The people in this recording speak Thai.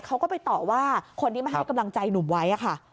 เขาก็ไปต่อว่าคนที่มาให้กำลังใจหนุ่มไว้ค่ะ